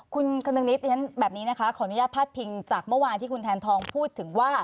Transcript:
คุณคนนึงนิดแบบนี้นะคะขออนุญาตพาดพิงจากเมื่อวานที่คุณแทนทองพูดถึงว่า